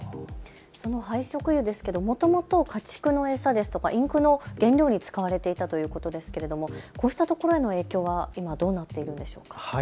その廃食油ですがもともと家畜の餌やインクの原料に使われているということですがこうしたところの影響は今、どうなっているんでしょうか。